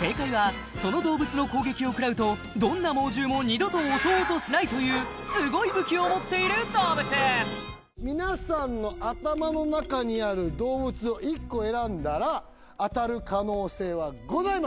正解はその動物の攻撃を食らうとどんな猛獣も二度と襲おうとしないという皆さんの頭の中にある動物を１個選んだら当たる可能性はございます